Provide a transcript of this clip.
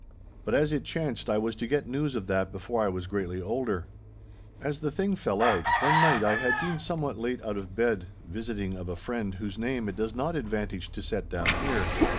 But as it chanced, I was to get news of that before I was greatly older. As the thing fell out, one night I had been somewhat late out of bed, visiting of a friend whose name it does not advantage to set down here.